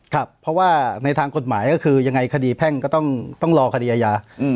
ครับเพราะว่าในทางกฎหมายก็คือยังไงคดีแพ่งก็ต้องรอคดีอาญา